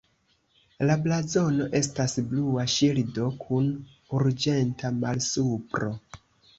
La blazono estas blua ŝildo kun arĝenta malsupro.